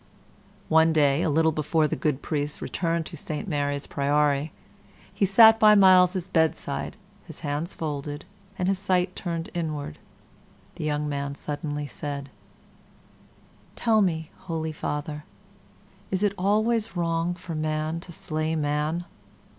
One day, a little before the good priest returned to Saint Mary's Priory, as he sat by Myles's bedside, his hands folded, and his sight turned inward, the young man suddenly said, "Tell me, holy father, is it always wrong for man to slay man?"